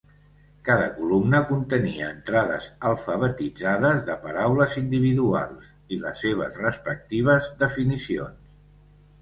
Cada columna contenia entrades alfabetitzades de paraules individuals i les seves respectives definicions.